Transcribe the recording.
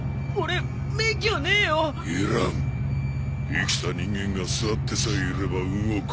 生きた人間が座ってさえいれば動く。